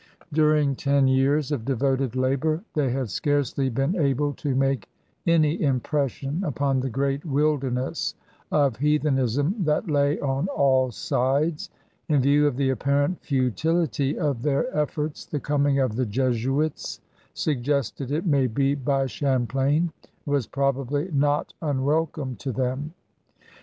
During ten years of devoted labor they had scarcely been able to make any impression upon the great wilderness of heathenism that lay on all sides. In view of the apparent futility of their efforts, the coming of the Jesuits — suggested, it may be, by Champlain — was probably not imwelcome to them.